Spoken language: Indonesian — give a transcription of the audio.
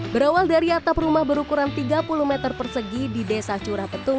berawal dari atap rumah berukuran tiga puluh meter persegi di desa curah petung